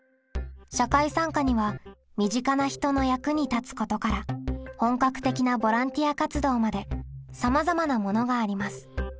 社会参加には身近な人の役に立つことから本格的なボランティア活動までさまざまなものがあります。